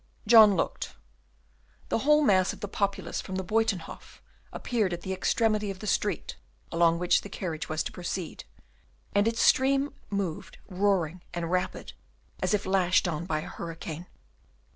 John looked. The whole mass of the populace from the Buytenhof appeared at the extremity of the street along which the carriage was to proceed, and its stream moved roaring and rapid, as if lashed on by a hurricane.